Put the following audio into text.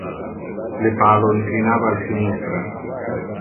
Le palo inclinava al sinistra.